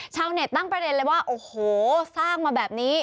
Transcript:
ชาวเน็ตตั้งประเด็นเลยว่าโอ้โหสร้างมาแบบนี้